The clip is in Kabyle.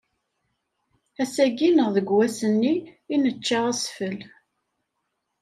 Ass-agi neɣ deg wass-nni i nečča asfel.